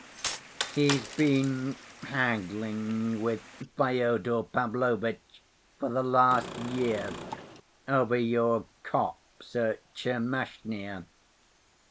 He's been haggling with Fyodor Pavlovitch for the last year, over your copse at Tchermashnya.